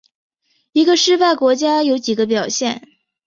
一个失败国家有几个表现。